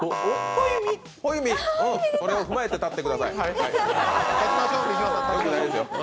ホイミ、これを踏まえて立ってください。